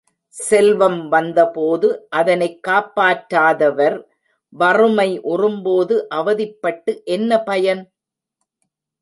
செல்வம் வந்தபோது அதனைக் காப்பாற்றாதவர் வறுமை உறும்போது அவதிப்பட்டு என்ன பயன்?